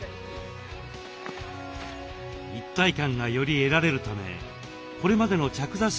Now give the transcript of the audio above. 一体感がより得られるためこれまでの着座式